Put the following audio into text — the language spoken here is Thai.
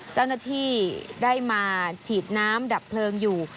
เจ้าหน้าที่ได้มาฉีดน้ำดับเพลิงอยู่